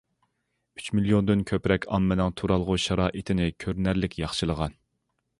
ئۈچ مىليوندىن كۆپرەك ئاممىنىڭ تۇرالغۇ شارائىتىنى كۆرۈنەرلىك ياخشىلىغان.